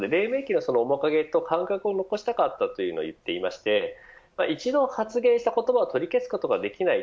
黎明期の面影とその感覚を残したかったと言っていまして一度発言した言葉は取り消すことはできない。